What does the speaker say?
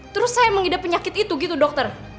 terus saya mengidap penyakit itu gitu dokter